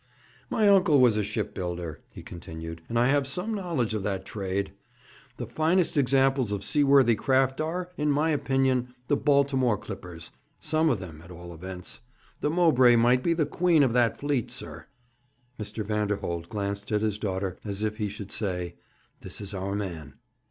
'My uncle was a shipbuilder,' he continued, 'and I have some knowledge of that trade. The finest examples of seaworthy craft are, in my opinion, the Baltimore clippers some of them, at all events. The Mowbray might be the queen of that fleet, sir.' Mr. Vanderholt glanced at his daughter, as if he should say, 'This is our man.'